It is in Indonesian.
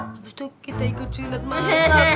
terus tuh kita ikut silet masak